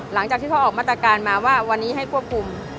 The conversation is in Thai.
หลังจากที่เขาออกมาตรการมาว่าวันนี้ให้ควบคุม